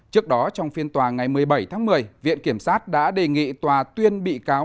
trước đó trong phiên tòa ngày một mươi bảy tháng một mươi viện kiểm sát đã đề nghị tòa tuyên bị cáo